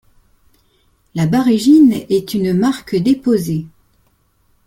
La Barégine est une marque déposée.